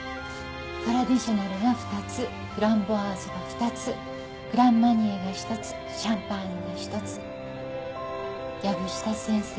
トラディショナルが２つフランボワーズが２つグランマニエが１つシャンパーニュが１つ藪下先生